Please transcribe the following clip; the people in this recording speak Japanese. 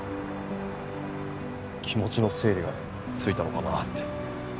気持ちの整理がついたのかなって。